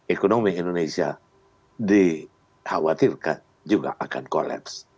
ekonomi indonesia dikhawatirkan juga akan kolaps